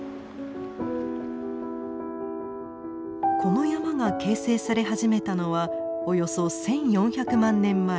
この山が形成され始めたのはおよそ１，４００万年前。